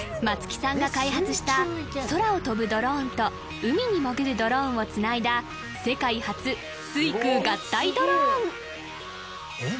松木さんが開発した空を飛ぶドローンと海に潜るドローンをつないだ世界初水空合体ドローン！